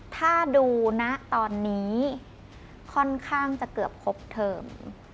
ถ้าดูนะตอนนี้ค่อนข้างจะเกือบครบเทิม